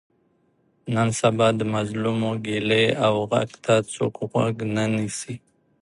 نن سبا د مظلوم ګیلې او غږ ته څوک غوږ نه نیسي.